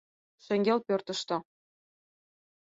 — Шеҥгел пӧртыштӧ...